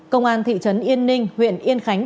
công an thị trấn yên ninh huyện yên khánh